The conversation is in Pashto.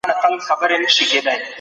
د ولسي جرګې رئیس څنګه ټاکل کېږي؟